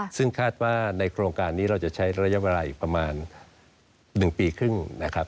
ซึ่งคาดว่าในโครงการนี้เราจะใช้ระยะเวลาอีกประมาณ๑ปีครึ่งนะครับ